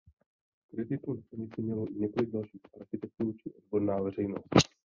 Kritiku na stanici mělo i několik dalších architektů či odborná veřejnost.